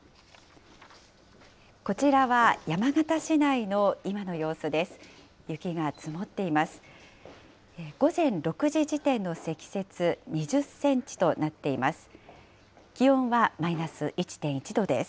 こちらは山形市内の今の様子です。